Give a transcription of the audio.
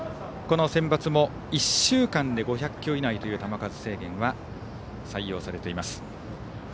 このセンバツも、１週間で５００球以内という球数制限が採用されています。